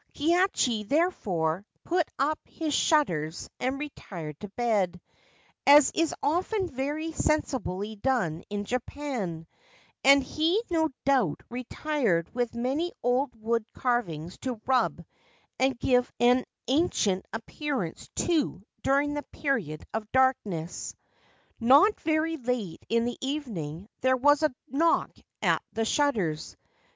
Kihachi, therefore, put up his shutters and retired to bed, as is often very sensibly done in Japan ; and he no doubt retired with many old wood carvings to rub and give an ancient appearance to during the period of darkness. Not very late in the evening there was a knock at the shutters.